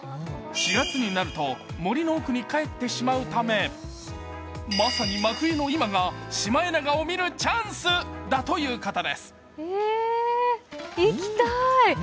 ４月になると、森の奥に帰ってしまうためまさに真冬の今がシマエナガを見るチャンスということです。